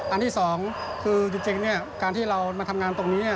อันที่สองคือจริงการที่เรามาทำงานตรงนี้